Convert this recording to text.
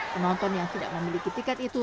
penonton yang tidak memiliki tiket itu